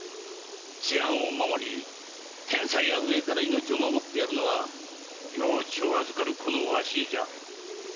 治安を守り天災や飢えから命を守ってやるのは領地を預かるこのわしじゃ。